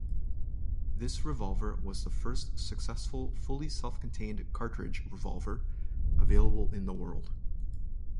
This revolver was the first successful fully self-contained cartridge revolver available in the world.